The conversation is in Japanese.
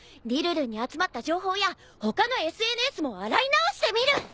りるるんに集まった情報や他のＳＮＳも洗い直してみる！